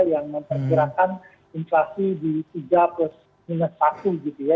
yang memperkirakan inflasi di tiga satu gitu ya